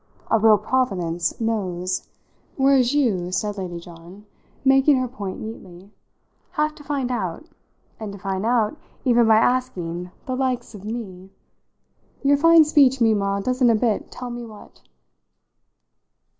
A real providence knows; whereas you," said Lady John, making her point neatly, "have to find out and to find out even by asking 'the likes of' me. Your fine speech meanwhile doesn't a bit tell me what."